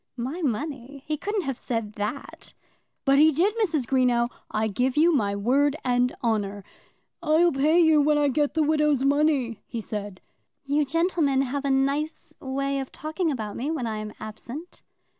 "My money! He couldn't have said that!" "But he did, Mrs. Greenow; I give you my word and honour. 'I'll pay you when I get the widow's money,' he said." "You gentlemen must have a nice way of talking about me when I am absent."